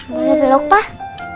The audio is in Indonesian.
boleh belok pak